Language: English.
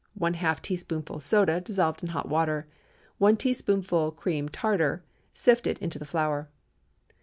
½ teaspoonful soda, dissolved in hot water. 1 teaspoonful cream tartar, sifted into the flour.